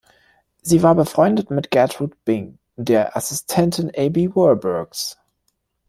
Sie war befreundet mit Gertrud Bing, der Assistentin Aby Warburgs.